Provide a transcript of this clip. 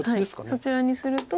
そちらにすると。